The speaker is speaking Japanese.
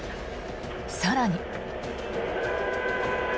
更に。